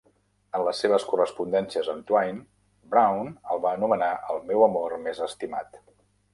En les seves correspondències amb Twain, Browne el va anomenar "El meu amor més estimat".